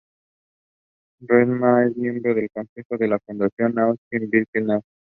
Bergman es miembro del consejo de la Fundación Auschwitz-Birkenau.